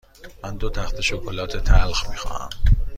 من دو تخته شکلات تلخ می خواهم.